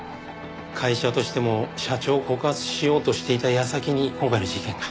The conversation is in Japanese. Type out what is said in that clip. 会社としても社長を告発しようとしていた矢先に今回の事件が。